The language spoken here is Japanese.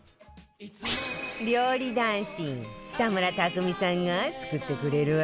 料理男子北村匠海さんが作ってくれるわよ